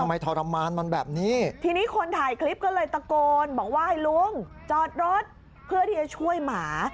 ทำไมทรมานมันแบบนี้ทีนี้คนถ่ายคลิปก็เลยตะโกนบอกว่าให้ลุงจอดรถเพื่อที่จะช่วยหมา